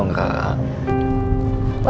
saya sudah mencoba